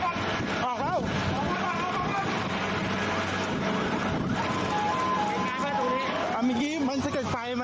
รังคานะครับจบแล้วใช่ไหมจบแล้วครับ